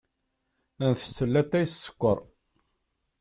Ntess latay s sskeṛ.